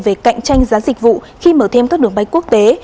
về cạnh tranh giá dịch vụ khi mở thêm các đường bay quốc tế